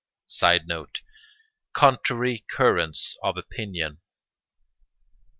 [Sidenote: Contrary currents of opinion.